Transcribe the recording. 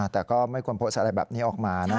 แต่ก็ไม่ควรโพสต์อะไรแบบนี้ออกมานะ